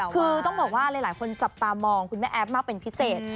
คือต้องบอกว่าหลายคนจับตามองคุณแม่แอฟมากเป็นพิเศษ